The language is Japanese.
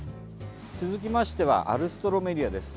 続きましてはアルストロメリアです。